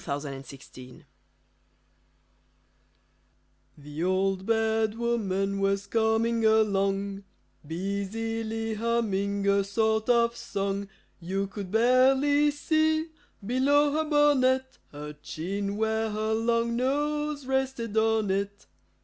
The Old Bad Woman The Old Bad Woman was coming along, Busily humming a sort of song. You could barely see, below her bonnet, Her chin where her long nose rested on it.